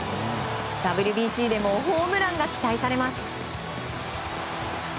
ＷＢＣでもホームランが期待されます。